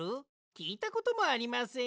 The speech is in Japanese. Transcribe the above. きいたこともありません。